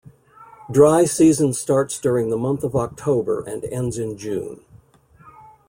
Dry season starts during the month of October and ends in June.